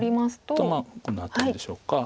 とこの辺りでしょうか。